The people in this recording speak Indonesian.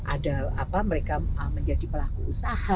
ada apa mereka menjadi pelaku usaha